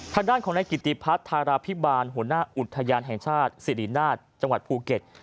ทางด้านของนายกิติพัฒนธาราพิบาลหัวหน้าอุทยานแห่งชาติสิรินาศจังหวัดภูเก็ต